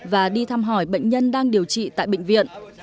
và đi thăm hỏi bệnh nhân đang điều trị tại bệnh viện